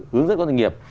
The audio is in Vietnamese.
hướng dẫn con doanh nghiệp